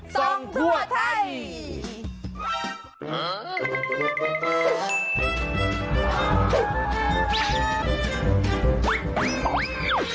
ส่งทั่วไทย